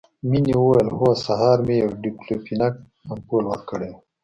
مينې وويل هو سهار مې يو ډيکلوفينک امپول ورکړى و.